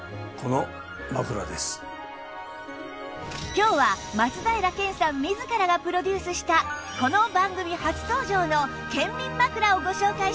今日は松平健さん自らがプロデュースしたこの番組初登場の健眠枕をご紹介します